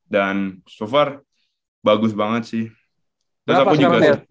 dan so far bagus banget sih